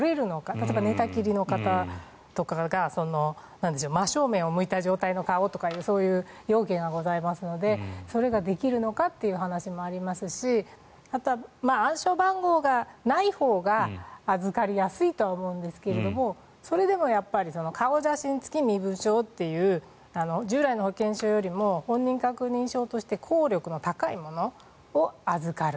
例えば、寝たきりの方とかが真正面を向いた状態の顔とかそういう要件がございますのでそれができるのかという話もございますしあとは暗証番号がないほうが預かりやすいとは思うんですがそれでもやっぱり顔写真付き身分証という従来の保険証よりも本人確認証として効力の高いものを預かる。